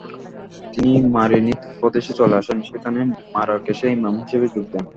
তিনি মারিনিদ প্রদেশে চলে আসেন, সেখানে মারাকেশে ইমাম হিসেবে যোগ দেন।